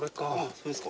それですか？